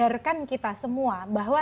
menyadarkan kita semua bahwa